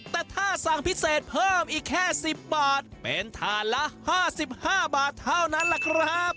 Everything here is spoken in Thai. แต่ถ้าสั่งพิเศษเพิ่มอีกแค่๑๐บาทเป็นถ่านละ๕๕บาทเท่านั้นล่ะครับ